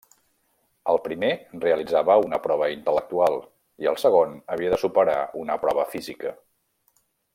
El primer realitzava una prova intel·lectual, i el segon havia de superar una prova física.